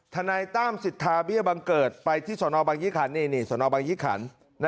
ทนายตั้มสิทธาเบียบังเกิดไปที่สนบังยิคัน